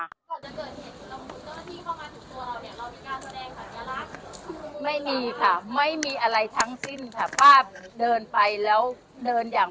ค่ะไม่มีค่ะไม่มีอะไรทั้งสิ้นข่ะป้าเดินไปแล้วเดินอย่าง